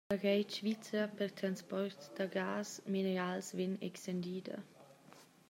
La reit svizra per transports da gas minerals vegn extendida.